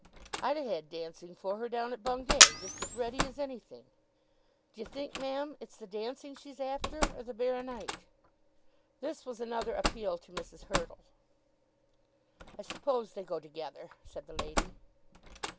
"I'd a had dancing for her down at Bungay, just as ready as anything. D'ye think, ma'am, it's the dancing she's after, or the baro nite?" This was another appeal to Mrs. Hurtle. "I suppose they go together," said the lady.